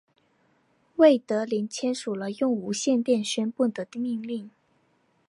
魏德林签署了用无线电宣布的命令。